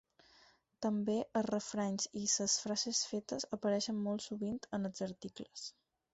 També els refranys i les frases fetes apareixen molt sovint en els articles.